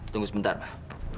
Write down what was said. tunggu sebentar pak